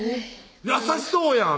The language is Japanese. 優しそうやん